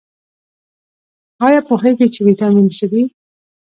ایا پوهیږئ چې ویټامین څه دي؟